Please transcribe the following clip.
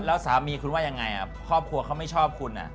แล้วสามีคุณว่ายังไงครอบครัวเขาไม่ชอบคุณ